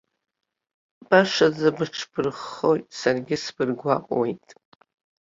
Башаӡа быҽбырххоит, саргьы сбыргәаҟуеит.